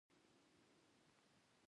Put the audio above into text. او د دوی راتلونکی دی.